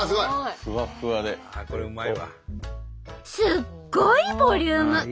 すっごいボリューム！